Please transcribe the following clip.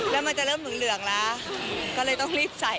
แล้วมันจะเริ่มเหลืองแล้วก็เลยต้องรีบใส่